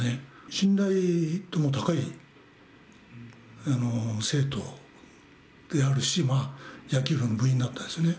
信頼度も高い生徒であるし、野球部の部員だったんですね。